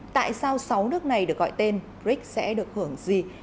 tại sao sáu nước này được gọi tên brics sẽ được hưởng gì